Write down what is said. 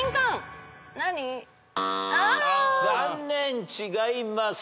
残念違います。